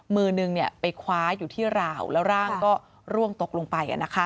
มือนึงไปคว้าอยู่ที่ราวแล้วร่างก็ร่วงตกลงไป